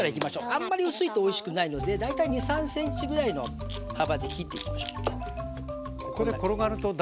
あんまり薄いとおいしくないので大体２３ｃｍぐらいの幅で切っていきましょう。